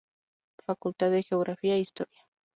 Facultad de Geografía e Historia